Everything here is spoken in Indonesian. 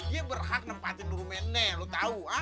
dia berhak nempatin rumahnya lo tau hah